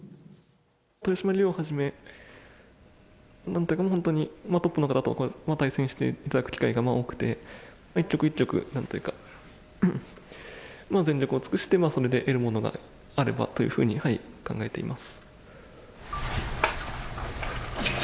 豊島竜王はじめ、本当にトップの方と対戦させていただく機会が多くて、一局一局、なんというか、全力を尽くして、それで得るものがあればというふうに、考えています。